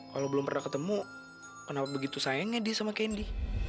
kalau belum pernah ketemu kenapa begitu sayangnya dia sama kendi